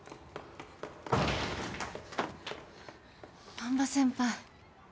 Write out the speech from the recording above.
難破先輩。